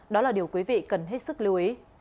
đó là điều quý vị cần hết sức lưu ý